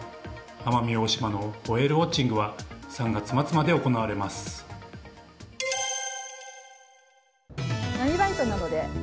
奄美大島のホエールウォッチングは３月末まで行われます。